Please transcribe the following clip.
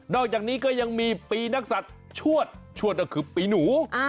อกจากนี้ก็ยังมีปีนักศัตริย์ชวดชวดก็คือปีหนู